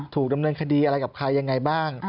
ถูกดำเนินคดีอะไรกับใครยังไงบ้าง